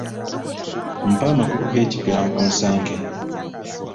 Mpa amakulu g’ekigambo nsanke